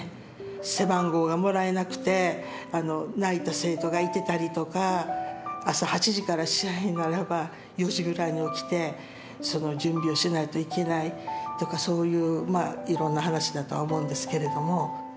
背番号がもらえなくて泣いた生徒がいてたりとか朝８時から試合ならば４時ぐらいに起きてその準備をしないといけないとかそういういろんな話だとは思うんですけれども。